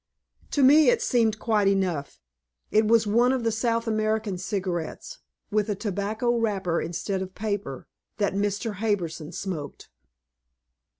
To me, it seemed quite enough. It was one of the South American cigarettes, with a tobacco wrapper instead of paper, that Mr. Harbison smoked.